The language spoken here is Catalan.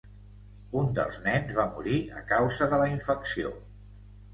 Un dels nens va morir a causa de la infecció.